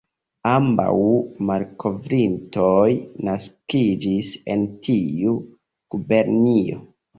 Ambaŭ malkovrintoj naskiĝis en tiu gubernio.